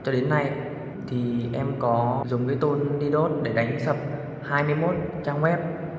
cho đến nay thì em có dùng cái tôn đi đốt để đánh sập hai mươi một trang web